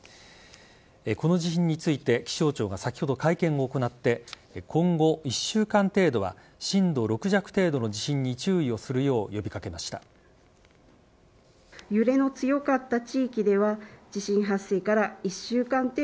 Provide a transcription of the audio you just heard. この地震について気象庁が先ほど、会見を行って今後１週間程度は震度６弱程度の地震に注意をするよう呼び掛けました。